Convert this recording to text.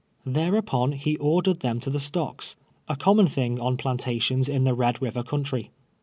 Thereupon he ordered them to the stocks — a com mon thing on plantations in the Ped River country.